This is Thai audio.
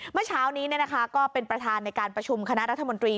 เมื่อเช้านี้ก็เป็นประธานในการประชุมคณะรัฐมนตรี